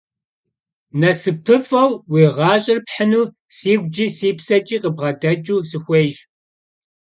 Nesıpıf'eu vui gaş'er phınu siguç'i si pseç'i kıbgedeç'ıu sıxuêyş.